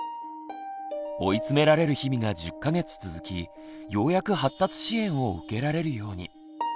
追い詰められる日々が１０か月続きようやく発達支援を受けられるように。